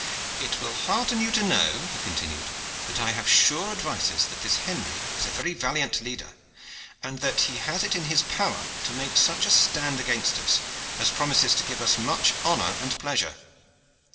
"It will hearten you to know," he continued, "that I have sure advices that this Henry is a very valiant leader, and that he has it in his power to make such a stand against us as promises to give us much honor and pleasure.